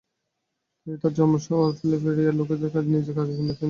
তিনি তার জন্মশহর ফিলাডেলফিয়ার লোকেদের নিজের কাজের জন্য বেছে নেন।